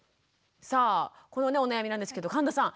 さあこのお悩みなんですけど神田さん